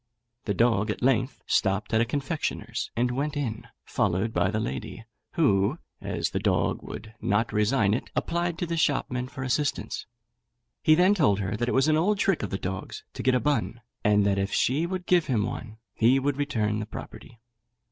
The dog at length stopped at a confectioner's, and went in, followed by the lady, who, as the dog would not resign it, applied to the shopman for assistance. He then told her that it was an old trick of the dog's to get a bun, and that if she would give him one he would return the property.